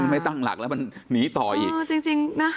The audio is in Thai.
ไม่ตั้งหลักแล้วมันหนีต่ออีก